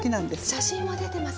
写真が出てます。